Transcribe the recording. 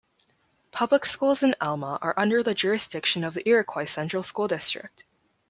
Public schools in Elma are under the jurisdiction of the Iroquois Central School District.